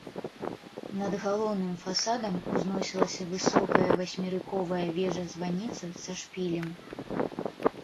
Над галоўным фасадам узносілася высокая васьмерыковая вежа-званіца са шпілем.